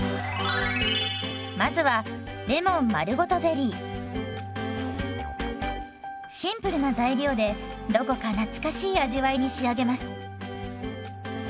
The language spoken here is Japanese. まずはシンプルな材料でどこか懐かしい味わいに仕上げます。